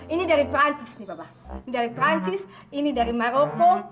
ini dari prancis nih papa ini dari prancis ini dari maroko